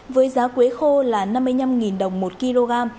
với giá quế khô là năm mươi năm đồng một kg